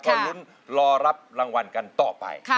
ลุ้นรอรับรางวัลกันต่อไป